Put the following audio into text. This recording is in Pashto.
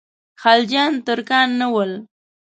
خلجیان ترکان نه ول.